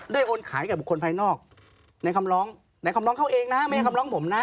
ได้โอนขายกับบุคคลภายนอกในคำร้องเขาเองนะไม่คำร้องผมนะ